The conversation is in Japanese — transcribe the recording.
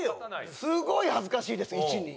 すごい恥ずかしいです１２。